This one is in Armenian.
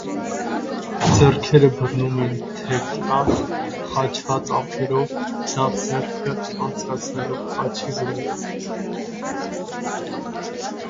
Ձեռքերը բռնում են թևկախ, խաչված ափերով՝ ձախ ձեռքը անցկացնելով աջի վրայով։